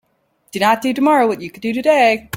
Do not do tomorrow what you could do today.